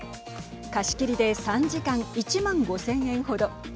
貸し切りで３時間１万５０００円ほど。